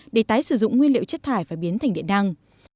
để tái sử dụng nguyên liệu chất thải và biến thành điện năng